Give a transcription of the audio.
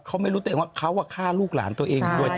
เขาไม่รู้ตัวเองว่าเขาฆ่าลูกหลานตัวเองด้วย